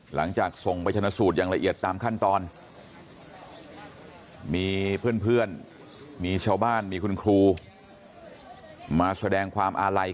หลังจากส่งไปชนะสูตรอย่างละเอียดตามขั้นตอนมีเพื่อนมีชาวบ้านมีคุณครูมาแสดงความอาลัย